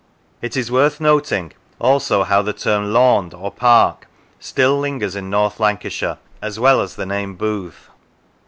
It is worth noting also how the term laund (or park) still lingers in North Lancashire, as well as the name booth.